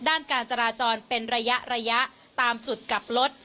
ด้านการจราจรเป็นระยะระยะตามจุดกลับรถ